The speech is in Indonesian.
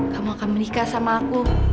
kamu akan menikah sama aku